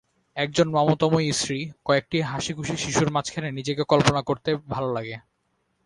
এক জন মমতাময়ী স্ত্রী, কয়েকটি হাসিখুশি শিশুর মাঝখানে নিজেকে কল্পনা করতে ভালো লাগে!